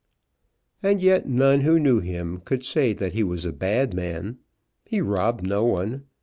And yet none who knew him could say that he was a bad man. He robbed no one.